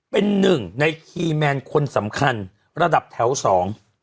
เป็นหนึ่งในคีย์แมนคนสำคัญระดับแถวสอง